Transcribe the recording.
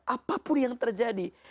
apapun yang terjadi